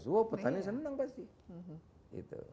wah petani senang pasti